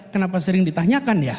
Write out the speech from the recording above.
kenapa sering ditanyakan ya